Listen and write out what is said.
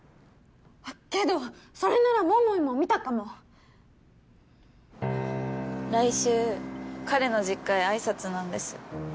けどそれなら桃井も見たかも来週彼の実家へ挨拶なんです